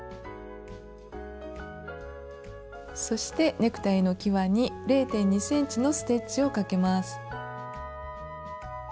そしてネクタイのきわに０．２ｃｍのステッチをかけます。